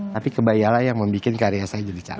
tapi kebayalah yang membuat karya saya jadi cantik